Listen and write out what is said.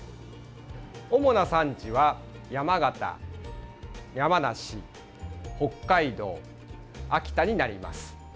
主な産地は山形、山梨北海道、秋田になります。